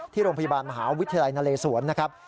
ที่โรงพยาบาลมหาวิทยาลัยนเลสวนนะครับ